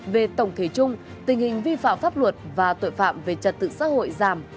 về tổng thể chung tình hình vi phạm pháp luật và tội phạm về trật tự xã hội giảm